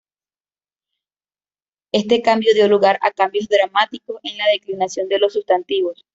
Este cambio dio lugar a cambios dramáticos en la declinación de los sustantivos.